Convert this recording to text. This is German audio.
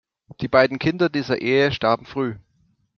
Die beiden Kinder dieser Ehe starben früh.